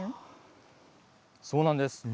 そうなんです。